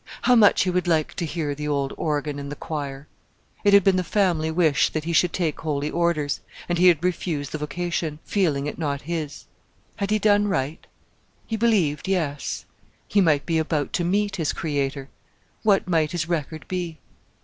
How much he would like to hear the old organ and the choir!... It had been the family wish that he should take Holy Orders, and he had refused the vocation, feeling it not his. Had he done right? He believed yes.... He might be about to meet his Creator. What might his record be?...